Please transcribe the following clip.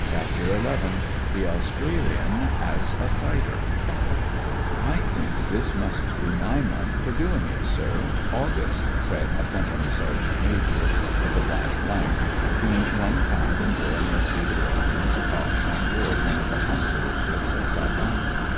CHAPTER XI THE AUSTRALIAN AS A FIGHTER "I THINK this must be my r: nth for doing it, sir — August," said a Company Sergeant Major of the — th s, whom one found enjoying a cigarette in his cot on board one of the hospital ships at Sou. lampton.